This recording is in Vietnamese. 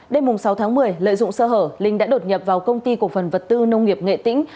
đêm sáu tháng một mươi lợi dụng sơ hở linh đã đột nhập vào công ty cổ phần vật tư nông nghiệp nghệ tĩnh